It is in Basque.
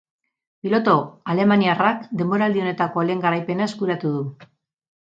Pilotu alemaniarrak denboraldi honetako lehen garaipena eskuratu du.